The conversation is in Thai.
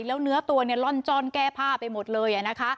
แล้วเนื้อตัวร่อนจอแก้ผ้าไปหมดเลย